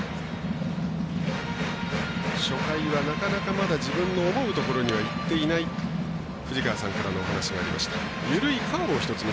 初回はなかなかまだ自分の思うところにはいっていないと藤川さんからのお話がありました。